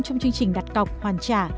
trong chương trình đặt cọc hoàn trả